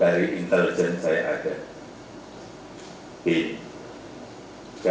dari intelijen saya ada